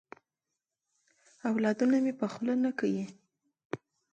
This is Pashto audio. اولادونه مي په خوله نه کیې.